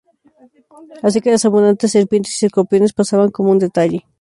Así que las abundantes serpientes y escorpiones pasaban como un detalle.